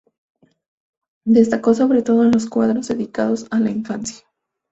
Destacó sobre todo en los cuadros dedicados a la infancia.